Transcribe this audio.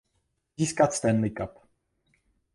Získat Stanley Cup.